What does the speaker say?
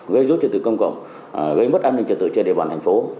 gây dối trật tự công cộng gây mất an ninh trật tự trên địa bàn thành phố